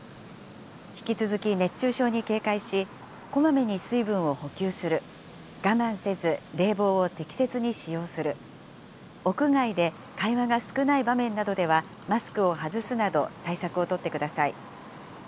引き続き熱中症に警戒し、こまめに水分を補給する、我慢せず冷房を適切に使用する、屋外で会話が少ない場面などではマスクを外すなど、対策を取ってください。